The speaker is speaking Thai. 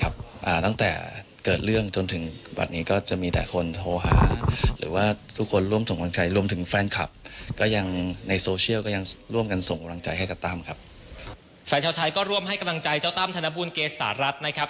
แฟนชาวไทยก็ร่วมให้กำลังใจเจ้าตั้มธนบูลเกษารัฐนะครับ